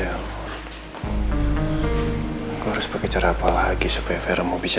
saya harus menggunakan cara apa lagi supaya vera bisa berbicara